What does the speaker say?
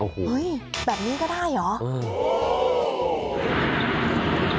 เฮ้ยแบบนี้ก็ได้เหรอ